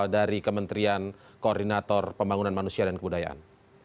dari kementerian koordinator pembangunan manusia dan kebudayaan